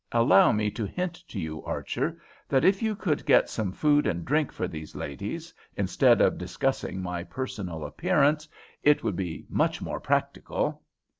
"Allow me to hint to you, Archer, that if you could get some food and drink for these ladies, instead of discussing my personal appearance, it would be much more practical."